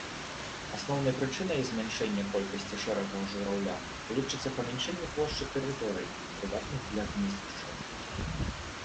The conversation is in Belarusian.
Асноўнай прычынай змяншэння колькасці шэрага жураўля лічыцца памяншэнне плошчы тэрыторый, прыдатных для гнездзішчаў.